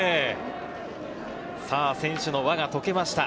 選手の輪が解けました。